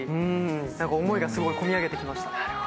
何か思いがすごい込み上げて来ました。